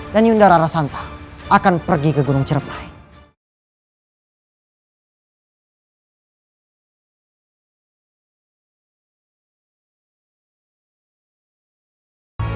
dan yundara rasanta akan pergi ke gunung cermain